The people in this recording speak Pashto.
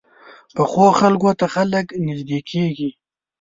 پخو خلکو ته خلک نږدې کېږي